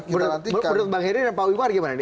menurut bang heri dan pak wiwar gimana